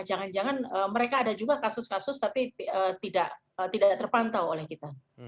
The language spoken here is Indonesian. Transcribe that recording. jangan jangan mereka ada juga kasus kasus tapi tidak terpantau oleh kita